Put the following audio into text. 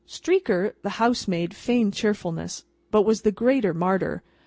Streaker, the housemaid, feigned cheerfulness, but was the greater martyr.